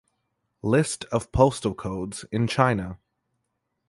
List of postal codes in China